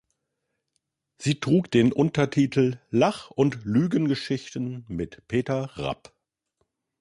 Sie trug den Untertitel „"Lach- und Lügengeschichten mit Peter Rapp"“.